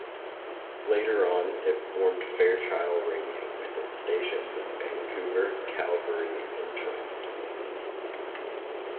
Later on, it formed Fairchild Radio with stations is Vancouver, Calgary and Toronto.